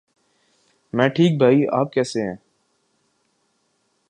میں ٹھیک بھائی آپ کیسے ہیں؟